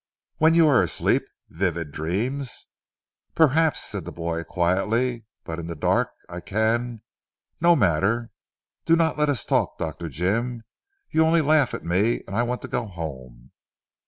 "When you are asleep? Vivid dreams?" "Perhaps," said the boy quietly, "but in the dark I can no matter. Do not let us talk Dr. Jim. You only laugh at me and I want to go home."